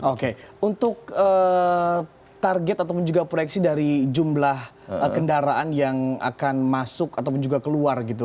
oke untuk target ataupun juga proyeksi dari jumlah kendaraan yang akan masuk ataupun juga keluar gitu